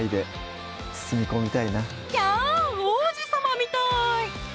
王子さまみたい！